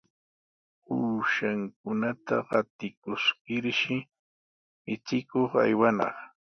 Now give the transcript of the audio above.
Uushankunata qatikuskirshi michikuq aywanaq.